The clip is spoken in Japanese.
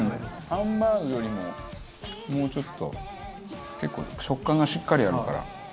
ハンバーグよりももうちょっと結構食感がしっかりあるから。